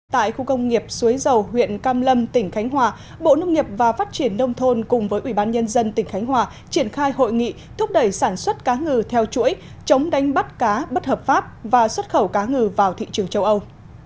tại khu công nghiệp suối dầu huyện cam lâm tỉnh khánh hòa bộ nông nghiệp và phát triển nông thôn cùng với ủy ban nhân dân tỉnh khánh hòa triển khai hội nghị thúc đẩy sản xuất cá ngừ theo chuỗi chống đánh bắt cá bất hợp pháp và xuất khẩu cá ngừ vào thị trường châu âu